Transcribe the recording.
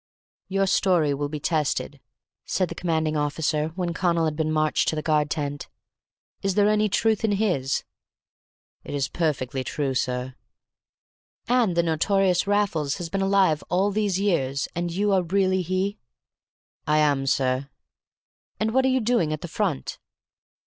"Your story will be tested," said the commanding officer, when Connal had been marched to the guard tent. "Is there any truth in his?" "It is perfectly true, sir." "And the notorious Raffles has been alive all these years, and you are really he?" "I am, sir." "And what are you doing at the front?"